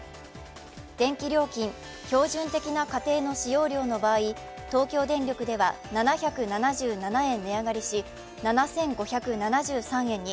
電気料金、標準的な家庭の使用量の場合東京電力では７７７円値上がりし、７５７３円に。